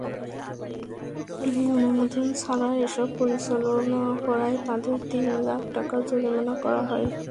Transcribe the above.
অনুমোদন ছাড়া এসব পরিচালনা করায় তাদের তিন লাখ টাকা জরিমানা করা হয়।